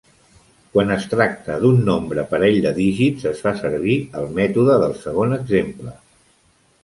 Quan es tracta d'un nombre parell de dígits, es fa servir el mètode del segon exemple.